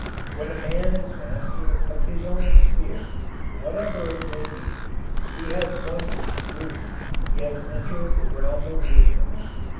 When a man is master of his own sphere, whatever it may be, he has won his degree he has entered the realm of wisdom.